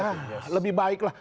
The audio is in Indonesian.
ya lebih baiklah